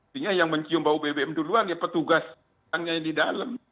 artinya yang mencium bau bbm dulu hanya petugas yang di dalam